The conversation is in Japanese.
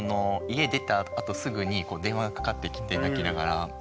家出たあとすぐに電話がかかってきて泣きながら。